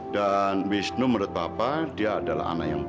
dan wisnu menurut papa dia adalah anak yang baik